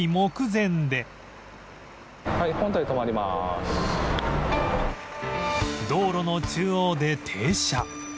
すると道路の中央で停車